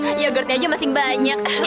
yogurtnya aja masih banyak